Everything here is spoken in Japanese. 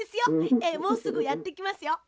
ええもうすぐやってきますよ。